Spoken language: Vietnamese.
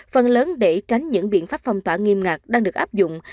phần lớn để tránh những biện pháp phong tỏa nghiêm ngặt đang được áp dụng